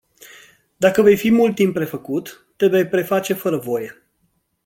Dacă vei fi mult timp prefăcut, te vei preface fără voie.